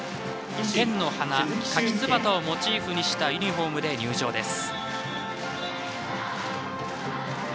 県の花、カキツバタをモチーフにしたユニフォームで入場です。